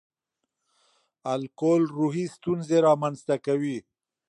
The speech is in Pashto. الکول روحي ستونزې رامنځ ته کوي.